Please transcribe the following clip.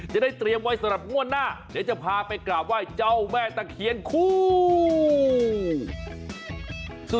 จะได้เตรียมไว้สำหรับงวดหน้าเดี๋ยวจะพาไปกราบไหว้เจ้าแม่ตะเคียนคู่